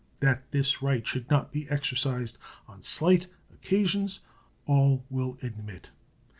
That this right should not be exercised on slight occasions all will admit.